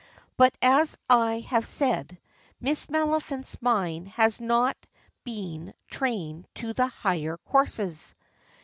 But as I have said, Miss Maliphant's mind has not been trained to the higher courses.